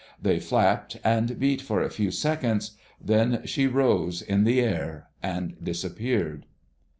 They flapped and beat for a few seconds; then she rose in the air and disappeared.